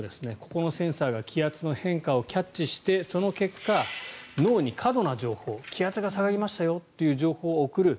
ここのセンサーが気圧の変化をキャッチしてその結果、脳に過度な情報気圧が下がりましたよという情報を送る。